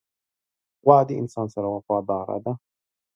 غوا د انسان سره وفاداره ده.